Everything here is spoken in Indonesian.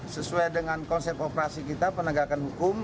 sesuai dengan konsep operasi kita penegakan hukum